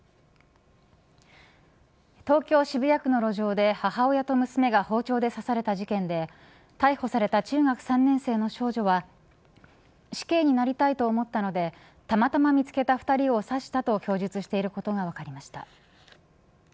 東京、渋谷区の路上で母親と娘が包丁で刺された事件で逮捕された中学３年生の少女は死刑になりたいと思ったのでたまたま見つけた２人を刺したと供述していることが分かりました。